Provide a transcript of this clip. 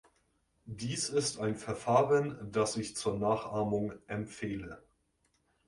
Dies ist ein Verfahren, das ich zur Nachahmung empfehle.